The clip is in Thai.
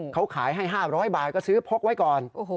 เขาขายให้๕๐๐บาทก็ซื้อพกไว้ก่อน